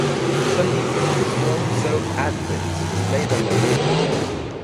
Some people had the Swan soap ad prints displayed on their wall at home.